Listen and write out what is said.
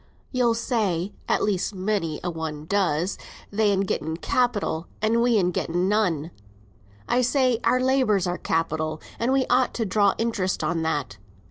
"You'll say (at least many a one does), they'n getten capital an' we'n getten none. I say, our labour's our capital and we ought to draw interest on that.